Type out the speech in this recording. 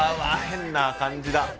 変な感じだ。